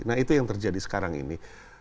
nah itu yang terjadi sekarang ini